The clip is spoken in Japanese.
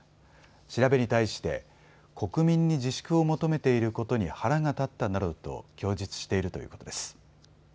調べに対して国民に自粛を求めていることに腹が立ったなどと供述しているということです。